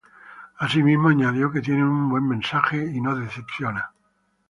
Asimismo, añadió que tiene un buen mensaje y no decepciona.